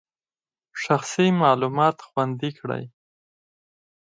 شخصي معلومات خوندي کړئ.